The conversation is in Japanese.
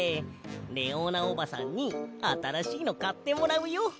レオーナおばさんにあたらしいのかってもらうよ。